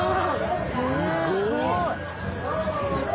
すごっ！